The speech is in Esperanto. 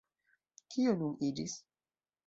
Kio nun iĝis?